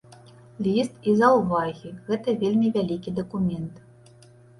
Ліст і заўвагі, гэта вельмі вялікі дакумент.